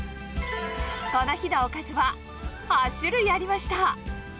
この日のおかずは、８種類ありました。